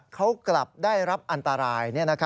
เขากลับได้รับอันตราย